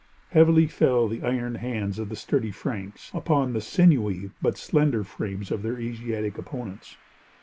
Heavily fell the iron hands of the sturdy Franks upon the sinewy, but slender frames of their Asiatic opponents.